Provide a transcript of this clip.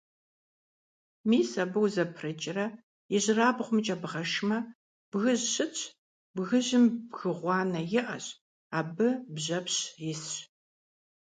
Мис абы узэпрыкӀрэ ижьырабгъумкӀэ бгъэшмэ, бгыжь щытщ, бгыжьым бгы гъуанэ иӀэщ, абы бжьэпщ исщ.